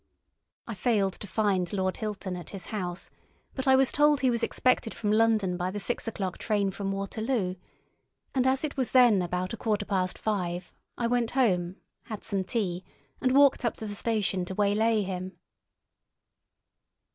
I failed to find Lord Hilton at his house, but I was told he was expected from London by the six o'clock train from Waterloo; and as it was then about a quarter past five, I went home, had some tea, and walked up to the station to waylay him.